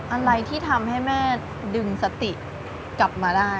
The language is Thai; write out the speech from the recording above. อะไรที่ทำให้แม่ดึงสติกลับมาได้